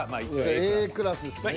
Ａクラスですね。